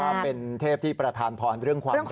เป็นเทพที่ประธานพรเรื่องความรัก